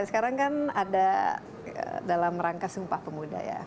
sekarang kan ada dalam rangka sumpah pemuda ya